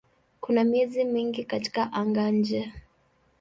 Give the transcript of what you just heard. Kuna miezi mingi katika anga-nje.